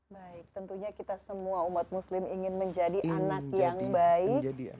baik tentunya kita semua umat muslim ingin menjadi anak yang baik